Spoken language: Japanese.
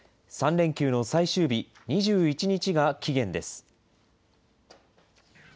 ３連休の最終日、２１日が期限です。